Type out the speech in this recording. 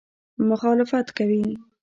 مخالفت کوي.